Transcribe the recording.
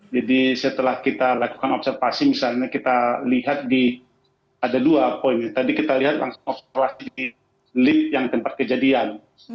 jadi setelah kita lakukan observasi misalnya kita lihat di ada dua poin tadi kita lihat langsung observasi di lift yang tempat kejadian